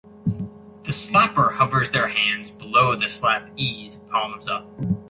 The slapper hovers their hands below the slappee's, palms up.